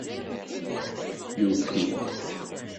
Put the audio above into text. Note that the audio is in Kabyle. Yuki-d.